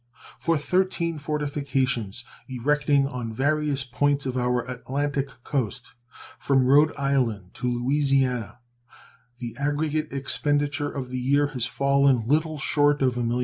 For thirteen fortifications erecting on various points of our Atlantic coast, from Rhode Island to Louisiana, the aggregate expenditure of the year has fallen little short of $1,000,000.